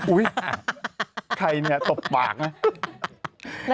อุ๊ยใครตบปากน่ะ